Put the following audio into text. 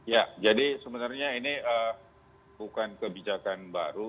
ya jadi sebenarnya ini bukan kebijakan baru